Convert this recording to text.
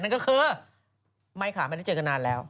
นั่นก็คือไม่ค่ะไม่ได้เจอกันนานแล้ว